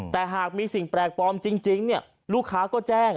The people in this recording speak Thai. แต่หากมีสิ่งแปลกปลอมจริงลูกค้าก็แจ้ง